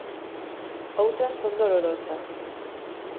Outras son dolorosas.